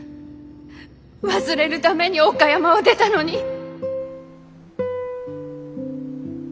忘れるために岡山を出たのに。